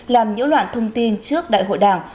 làm những loạn thông tin trước đại hội đảng